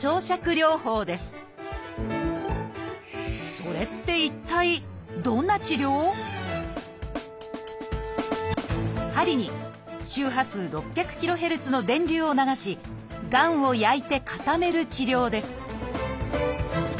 それって一体針に周波数６００ｋＨｚの電流を流しがんを焼いて固める治療です